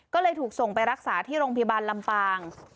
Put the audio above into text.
ก็เลยถูกส่งไปรักษาที่โรงพยาบาลลำปาง